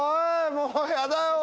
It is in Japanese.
もうやだよ俺。